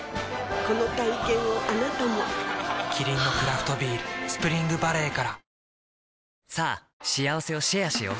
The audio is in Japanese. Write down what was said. この体験をあなたもキリンのクラフトビール「スプリングバレー」からさぁしあわせをシェアしよう。